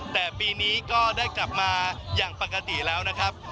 แต่ปีนี้ก็ได้กลับมาอย่างปกติแล้วนะครับ